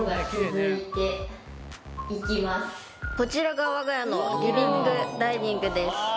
こちらがわが家のリビングダイニングです。